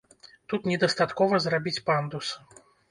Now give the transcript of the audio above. Тут не дастаткова зрабіць пандус.